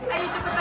aduh gagal maik